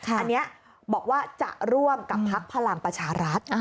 อันนี้บอกว่าจะร่วมกับพักพลังประชารัฐ